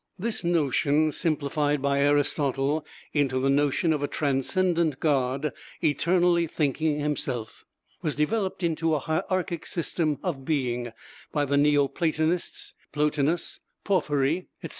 This notion, simplified by Aristotle into the notion of a transcendent God, eternally thinking himself, was developed into a hierarchic system of being by the Neo Platonists, Plotinus, Porphyry, etc.